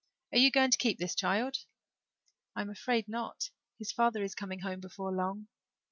Are you going to keep this child?" "I'm afraid not. His father is coming home before long."